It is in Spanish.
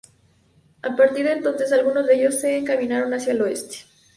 A partir de entonces, algunos de ellos se encaminaron hacia el Oeste.